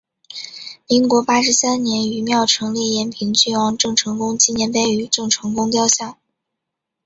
民国八十三年于庙埕立延平郡王郑成功纪念碑与郑成功雕像。